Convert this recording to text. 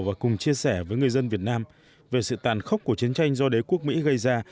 và cùng chia sẻ với người dân việt nam về sự tàn khốc của chiến tranh do đế quốc mỹ gây ra